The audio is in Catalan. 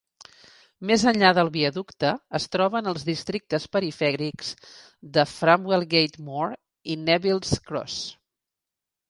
Més enllà del viaducte, es troben els districtes perifèrics de Framwellgate Moor i Neville's Cross.